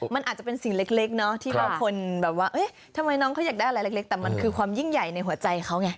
มันอาจจะเป็นสิ่งเล็กเนาะที่บางคนแบบว่าเอ๊ะทำไมน้องเขาอยากได้อะไรเล็กแต่มันคือความยิ่งใหญ่ในหัวใจเขาไง